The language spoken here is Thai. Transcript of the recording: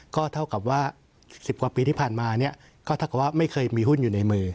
ก็เท่ากับว่า๑๐กว่าปีที่ผ่านมาเนี่ยก็เท่ากับว่าไม่เคยมีหุ้นอยู่ในมือ